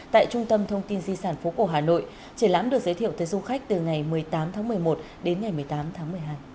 tại trung tâm thông tin di sản phố cổ hà nội triển lãm được giới thiệu tới du khách từ ngày một mươi tám tháng một mươi một đến ngày một mươi tám tháng một mươi hai